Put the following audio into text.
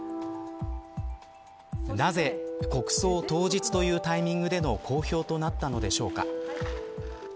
なぜ国葬当日というタイミングでの公表となったのでしょうか。